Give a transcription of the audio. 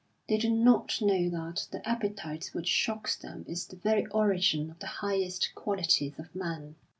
They do not know that the appetite which shocks them is the very origin of the highest qualities of man.